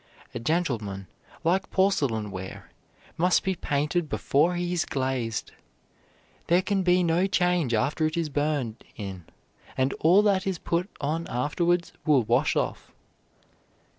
A gentleman, like porcelain ware, must be painted before he is glazed. There can be no change after it is burned in, and all that is put on afterwards will wash off.